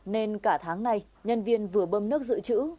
nên cả tháng nay nhân viên vừa bơm nước dự trữ